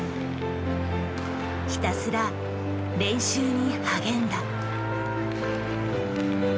ひたすら練習に励んだ。